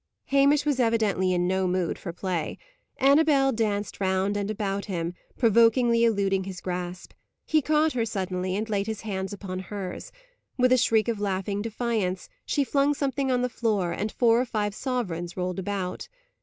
Hamish was evidently in no mood for play. Annabel danced round and about him, provokingly eluding his grasp. He caught her suddenly, and laid his hands upon hers. With a shriek of laughing defiance, she flung something on the floor, and four or five sovereigns rolled about.